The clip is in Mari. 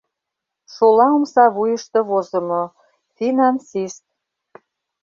Шола омса вуйышто возымо: «Финансист».